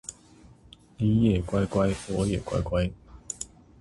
你也乖乖我也乖乖